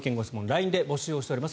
ＬＩＮＥで募集しています。